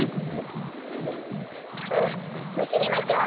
むしりましょう！